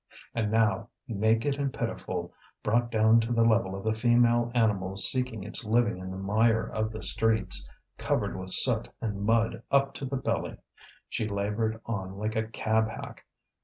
And now, naked and pitiful, brought down to the level of the female animal seeking its living in the mire of the streets, covered with soot and mud up to the belly, she laboured on like a cab hack.